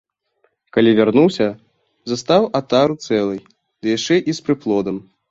Калі вярнуўся, застаў атару цэлай, ды яшчэ і з прыплодам.